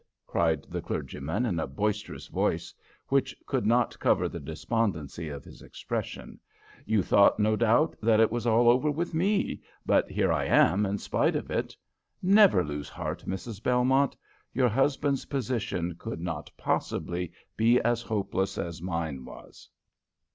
cried the clergyman, in a boisterous voice, which could not cover the despondency of his expression; "you thought, no doubt, that it was all over with me, but here I am in spite of it. Never lose heart, Mrs. Belmont. Your husband's position could not possibly be as hopeless as mine was."